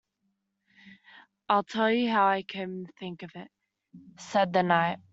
‘I’ll tell you how I came to think of it,’ said the Knight.